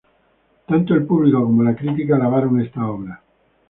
Tanto el público como la crítica alabaron esta obra.